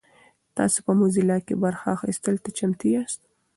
تاسو په موزیلا کې برخه اخیستلو ته چمتو یاست؟